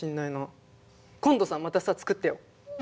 今度さまたさ作ってよ。